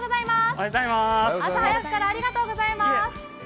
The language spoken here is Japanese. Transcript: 朝早くからありがとうございます。